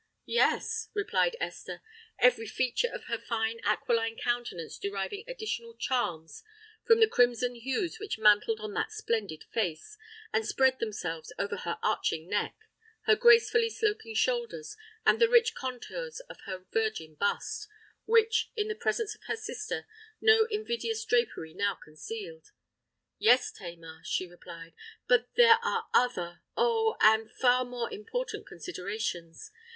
"Yes," replied Esther, every feature of her fine aquiline countenance deriving additional charms from the crimson hues which mantled on that splendid face, and spread themselves over her arching neck, her gracefully sloping shoulders, and the rich contours of her virgin bust, which, in the presence of her sister, no invidious drapery now concealed:—"yes, Tamar," she replied; "but there are other—oh! and far more important considerations.